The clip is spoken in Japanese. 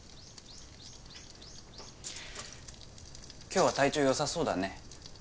今日は体調良さそうだね。